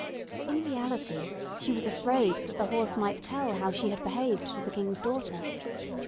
In reality she was afraid that the horse might tell how she had behaved to the King's daughter.